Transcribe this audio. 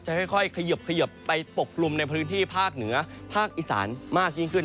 ค่อยเขยิบไปปกกลุ่มในพื้นที่ภาคเหนือภาคอีสานมากยิ่งขึ้น